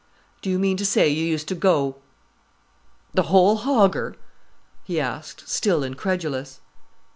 "Do you mean to say you used to go—the whole hogger?" he asked, still incredulous.